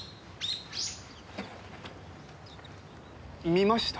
見ました？